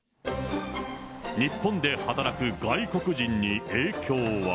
日本で働く外国人に影響は？